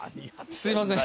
すいません。